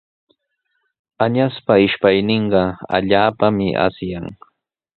Añaspa ishpayninqa allaapami asyan.